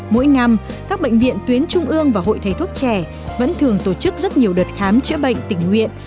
mỗi năm các bệnh viện tuyến trung ương và hội thầy thuốc trẻ vẫn thường tổ chức rất nhiều đợt khám chữa bệnh tình nguyện